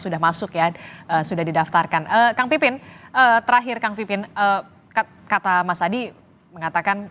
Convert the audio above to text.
sudah masuk ya sudah didaftarkan kang pipin terakhir kang pipin kata mas adi mengatakan